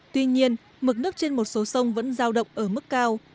tuy nhiên mực nước trên một số sông vẫn giao động ở mức cao